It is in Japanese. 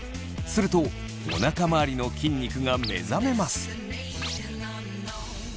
するとおなか周りの筋肉が目覚めます。